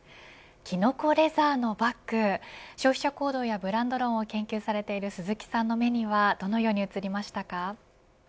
キノコレザーのバッグ消費者行動やブランド論を研究されている鈴木さんの目にはどのように映りましたか。